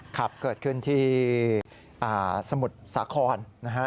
ครับเกิดขึ้นที่สมุดสาคอน